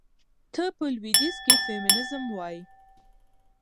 ته په لوىديځ کې فيمينزم وايي.